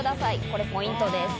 これポイントです。